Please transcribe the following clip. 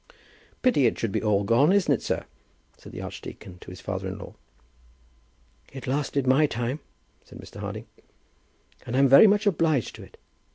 "Pity it should be all gone; isn't it, sir?" said the archdeacon to his father in law. "It has lasted my time," said Mr. Harding, "and I'm very much obliged to it.